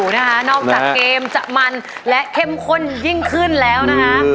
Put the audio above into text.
นอกจากเกมจะมันและเข้มข้นยิ่งขึ้นแล้วนะคะ